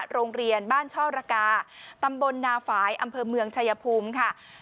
โรงเรียนบ้านช่อระกาตำบลนาฝ่ายอำเภอเมืองชายภูมิค่ะ